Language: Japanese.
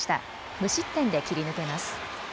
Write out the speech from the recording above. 無失点で切り抜けます。